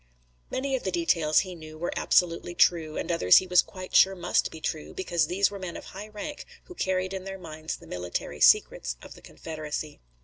Many of the details, he knew, were absolutely true, and others he was quite sure must be true, because these were men of high rank who carried in their minds the military secrets of the Confederacy.